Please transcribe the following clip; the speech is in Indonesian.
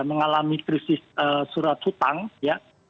mengalami krisis surat hutang ya